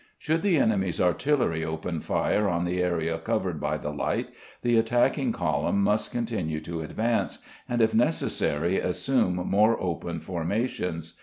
Should the enemy's artillery open fire on the area covered by the light, the attacking column must continue to advance, and if necessary assume more open formations.